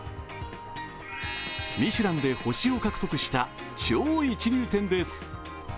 ミシュランで星を獲得した超一流店です。